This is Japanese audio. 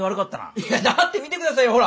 いやだって見てくださいよほら。